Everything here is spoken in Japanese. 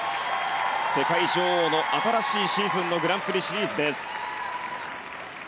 世界女王の新しいシーズンのグランプリシリーズです。